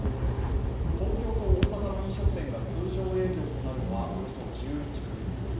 東京と大阪の飲食店が通常営業となるのはおよそ１１カ月ぶり。